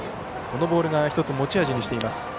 このボールを１つ、持ち味にしています。